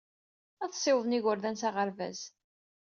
Ad ssiwḍen igerdan s aɣerbaz.